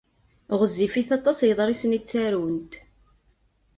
Ɣezzifit aṭas yeḍrisen i ttarunt.